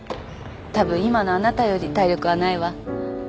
たぶん今のあなたより体力はないわ。